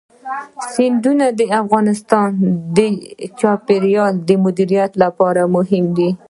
سیندونه د افغانستان د چاپیریال د مدیریت لپاره مهم دي.